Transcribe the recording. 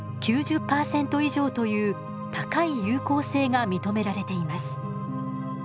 ９０％以上という高い有効性が認められています。